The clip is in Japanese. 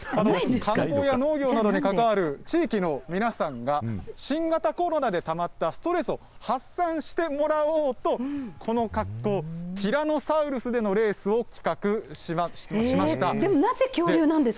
観光や農業などに関わる、地域の皆さんが新型コロナでたまったストレスを発散してもらおうと、この格好、ティラノサウルスでのレースを企画しました。